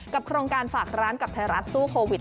โครงการฝากร้านกับไทยรัฐสู้โควิด